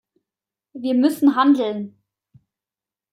Wir müssen handeln!